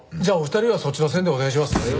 じゃあお二人はそっちの線でお願いします。